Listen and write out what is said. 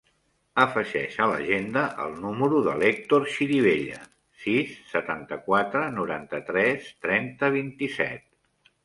Afegeix a l'agenda el número de l'Hèctor Chirivella: sis, setanta-quatre, noranta-tres, trenta, vint-i-set.